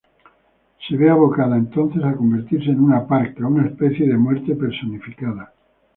Se ve abocada entonces a convertirse en una "parca", una especie de muerte personificada.